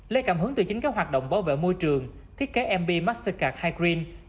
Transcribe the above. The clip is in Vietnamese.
lê cảm hứng từ chính các hoạt động bảo vệ môi trường thiết kế mb mastercard high green